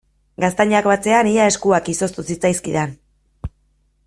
Gaztainak batzean ia eskuak izoztu zitzaizkidan.